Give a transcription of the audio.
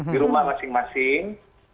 di rumah masing masing